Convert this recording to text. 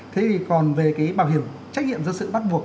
thế thì còn về cái bảo hiểm trách nhiệm dân sự bắt buộc